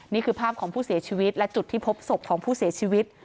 นี่คือภาพของผู้เสียชีวิตและจุดที่พบศพของผู้เสียชีวิต